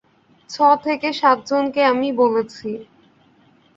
ছ থেকে সাত জনকে আমি বলেছি।